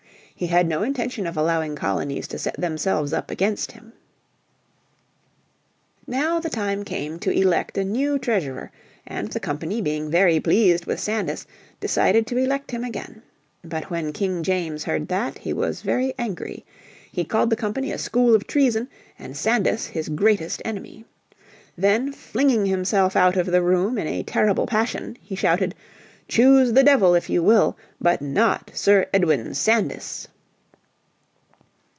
He had no intention of allowing colonies to set themselves up against him. Now the time came to elect a new treasurer, and the company being very pleased with Sandys, decided to elect him again. But when King James heard that, he was very angry. He called the company a school of treason and Sandys his greatest enemy. Then, flinging himself out of the room in a terrible passion, he shouted "Choose the Devil if you will, but not Sir Edwin Sandys."